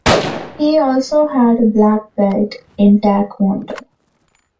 He also had a black belt in taekwondo.